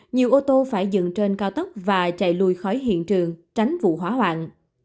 nhiều ô tô phải dừng trên cao tốc và chạy lùi khỏi hiện trường tránh vụ hỏa hoạn